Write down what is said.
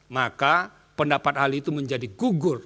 maka pendapat ahli itu menjadi gugur